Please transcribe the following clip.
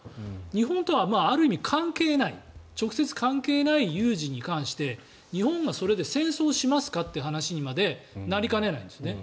日本とはある意味関係ない直接関係ない有事に対して日本がそれで戦争しますかという話にまでなりかねないんですね。